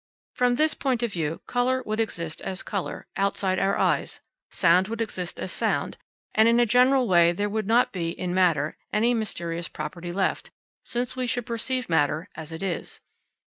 From this, point of view colour would exist as colour, outside our eyes, sound would exist as sound, and in a general way there would not be, in matter, any mysterious property left, since we should perceive matter as it is.